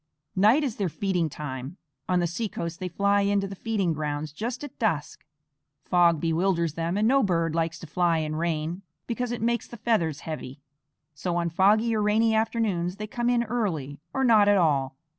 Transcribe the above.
Night is their feeding time; on the seacoast they fly in to the feeding grounds just at dusk. Fog bewilders them, and no bird likes to fly in rain, because it makes the feathers heavy; so on foggy or rainy afternoons they come in early, or not at all.